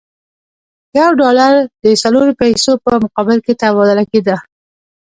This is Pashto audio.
یو ډالر د څلورو پیزو په مقابل کې تبادله کېده.